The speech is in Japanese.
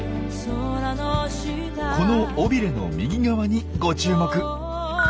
この尾ビレの右側にご注目。